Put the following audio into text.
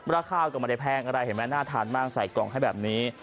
ราคาก็ไม่ได้แพงอะไรเห็นไหมน่าทานมากใส่กล่องให้แบบนี้